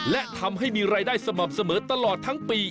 และทำให้มีรายได้สม่ำเสมอตลอดทั้งปี